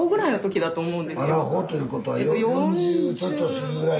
アラフォーということは４０ちょっと過ぎぐらいの時に？